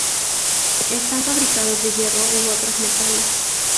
Están fabricadas de hierro u otros metales.